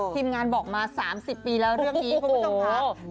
ทีมงานบอกมา๓๐ปีแล้วเรื่องนี้คุณผู้ชมค่ะ